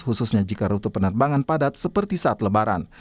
khususnya jika rute penerbangan padat seperti saat lebaran